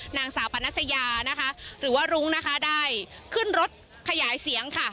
นางสาวปนัสยานะคะหรือว่ารุ้งนะคะได้ขึ้นรถขยายเสียงค่ะ